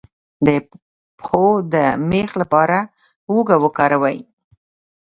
د پښو د میخ لپاره هوږه وکاروئ